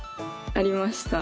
ありました